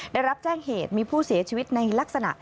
ได้รับแจ้งเหตุมีผู้เสียชีวิตในลักษณะ